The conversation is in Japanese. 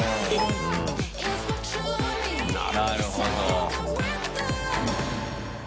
なるほど。